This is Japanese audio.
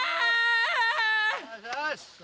よし！